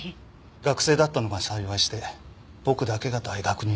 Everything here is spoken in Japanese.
学生だったのが幸いして僕だけが大学に残って。